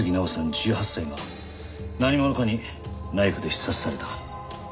１８歳が何者かにナイフで刺殺された。